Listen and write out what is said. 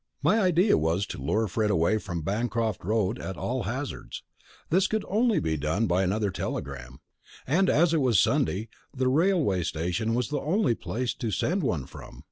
My idea was to lure Fred away from Bancroft Road at all hazards. This could only be done by another telegram. And as it was Sunday, the railway station was the only place to send one from.